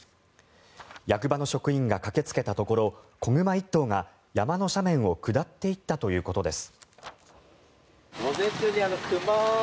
役場の職員が駆けつけたところ子熊１頭が山の斜面を下っていったということです。